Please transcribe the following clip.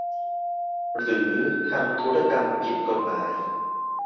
หรือทำธุรกรรมผิดกฎหมาย